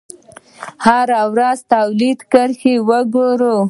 هره ورځ د تولید کرښه وګورئ.